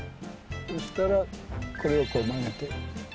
そしたらこれをこう曲げて。